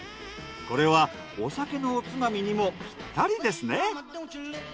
これはお酒のおつまみにもピッタリですね。